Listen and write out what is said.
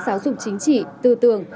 giáo dục chính trị tư tưởng